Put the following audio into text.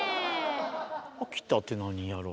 秋田って何やろ？